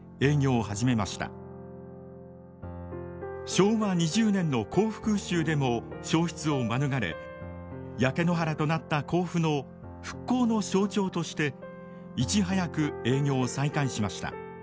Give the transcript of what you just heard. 昭和２０年の甲府空襲でも焼失を免れ焼け野原となった甲府の復興の象徴としていち早く営業を再開しました。